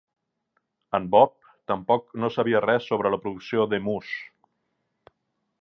En Bob tampoc no sabia res sobre la producció d'"emús".